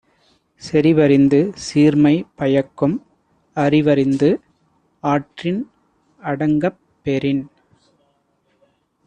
செறிவறிந்து சீர்மை பயக்கும் அறிவறிந்து ஆற்றின் அடங்கப் பெறின்